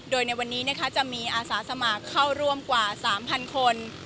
โดยในวันนี้จะมีอาสาสมัครเข้าร่วมกว่า๓๐๐คน